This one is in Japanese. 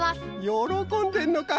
よろこんでるのか。